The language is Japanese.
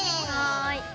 はい。